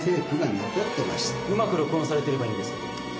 うまく録音されていればいいんですけど。